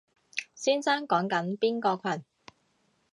先生講緊邊個群？